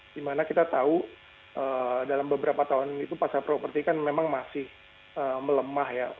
di mana kita tahu dalam beberapa tahun itu pasar properti kan memang masih melemah